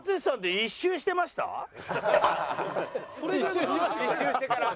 １周してから。